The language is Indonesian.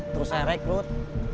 terus saya rekrut